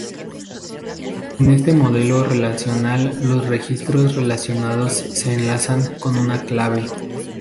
En este modelo relacional los registros relacionados se enlazan con una "clave".